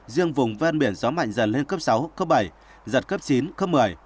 riêng vùng ven biển gió mạnh dần lên cấp sáu cấp bảy giật cấp chín cấp một mươi